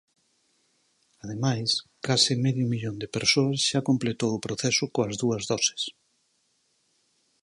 Ademais, case medio millón de persoas xa completou o proceso coas dúas doses.